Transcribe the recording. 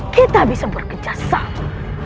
kita bisa bekerja sama